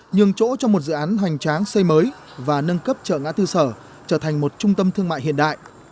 nhường chỗ cho một dự án hoành tráng xây mới và nâng cấp chợ ngã tư sở trở thành một trung tâm thương mại hiện đại